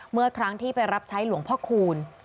เมื่อครั้งที่ไปรับใช้หลวงพ่อคูณ